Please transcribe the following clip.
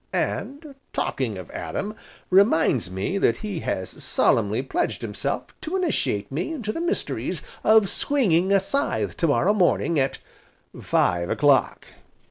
And, talking of Adam reminds me that he has solemnly pledged himself to initiate me into the mysteries of swinging a scythe to morrow morning at five o'clock!